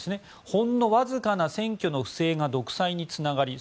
ほんのわずかな選挙の不正が独裁につながり